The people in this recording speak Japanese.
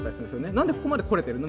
なんでここまで来れてるの？